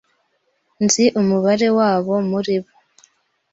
Nzi umubare wabo muribo.